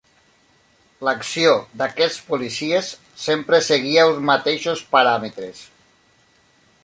L'acció d'aquests policies sempre seguia uns mateixos paràmetres.